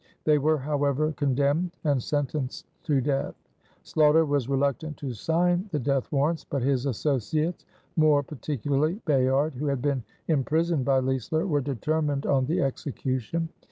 They were, however, condemned and sentenced to death. Sloughter was reluctant to sign the death warrants; but his associates, more particularly Bayard, who had been imprisoned by Leisler, were determined on the execution.